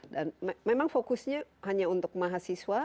dan memang fokusnya hanya untuk mahasiswa